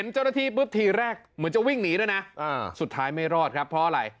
เจ้าหน้าที่ปุ๊บทีแรกเหมือนจะวิ่งหนีด้วยนะสุดท้ายไม่รอดครับเพราะอะไร